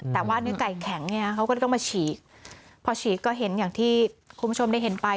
แต่ว่าเนื้อไก่แข็งเนี่ยเขาก็จะต้องมาฉีกพอฉีกก็เห็นอย่างที่คุณผู้ชมได้เห็นไป